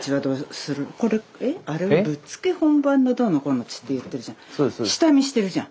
「ぶっつけ本番のどうのこうの」って言ってるじゃん。